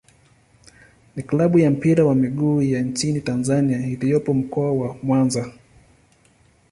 ni klabu ya mpira wa miguu ya nchini Tanzania iliyopo Mkoa wa Mwanza.